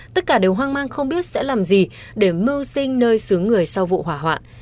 tất cả đều hoang mang không biết sẽ làm gì để mưu sinh nơi xứ người sau vụ hỏa hoạn